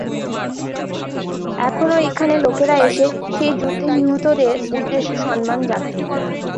এখনও এখানে লোকেরা এসে সেই যুদ্ধে নিহতদের উদ্দেশ্যে সম্মান জানায়।